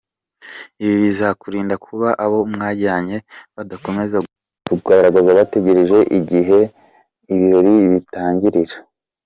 Ibi bizakurinda kuba abo mwajyanye badakomeza guhagarara bategereje igihe ibirori bitangirira.